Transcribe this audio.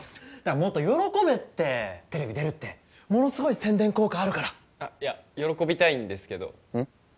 もっと喜べってテレビ出るってものすごい宣伝効果あるからあっいや喜びたいんですけどうんっ？